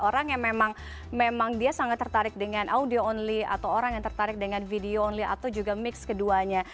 orang yang memang dia sangat tertarik dengan audio only atau orang yang tertarik dengan video only atau juga mix keduanya